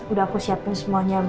udah aku siapin semuanya